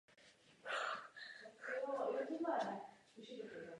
K hnízdění si vybírá skalnaté dutiny.